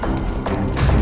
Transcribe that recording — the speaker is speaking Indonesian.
gak mau kali